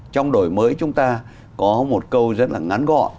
trong đổi mới chúng ta có một câu rất là ngắn gọn